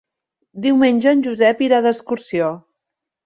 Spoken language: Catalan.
Diumenge en Josep irà d'excursió.